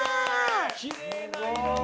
きれいな色だ！